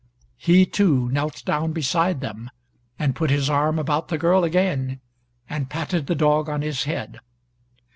He, too, knelt down beside them, and put his arm about the girl again, and patted the dog on his head.